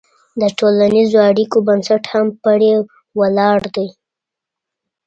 د ټولنیزو اړیکو بنسټ هم پرې ولاړ دی.